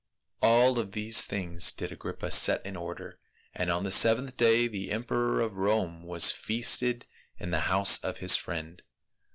All of these things did Agrippa set in order, and on the seventh day the emperor of Rome was feasted in the house of his friend.